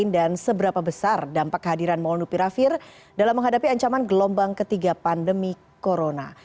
dan seberapa besar dampak hadiran molnupiravir dalam menghadapi ancaman gelombang ketiga pandemi corona